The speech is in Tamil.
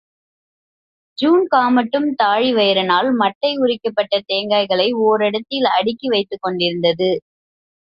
ஜின்காமட்டும் தாழிவயிறனால் மட்டை உரிக்கப்பட்ட தேங்காய்களை ஓரிடத்தில் அடுக்கி வைத்துக்கொண்டிருந்தது.